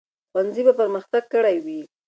ښوونځي به پرمختګ کړی وي.